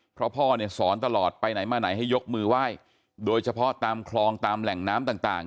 เพราะพ่อเนี่ยสอนตลอดไปไหนมาไหนให้ยกมือไหว้โดยเฉพาะตามคลองตามแหล่งน้ำต่าง